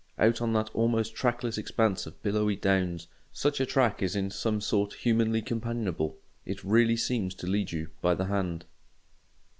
Out on that almost trackless expanse of billowy Downs such a track is in some sort humanly companionable: it really seems to lead you by the hand.